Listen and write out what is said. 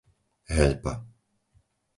Heľpa